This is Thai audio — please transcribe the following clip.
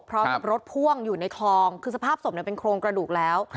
เพราะรถพ่วงอยู่ในคลองคือสภาพศพเนี่ยเป็นโครงกระดูกแล้ว